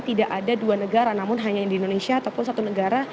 tidak ada dua negara namun hanya di indonesia ataupun satu negara